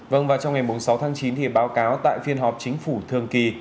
vâng và trong ngày bốn sáu chín thì báo cáo tại phiên họp chính phủ thường kỳ